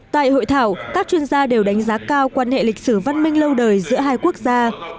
tại hội thảo các chuyên gia đều đánh giá cao quan hệ lịch sử văn minh lâu đời giữa hai quốc gia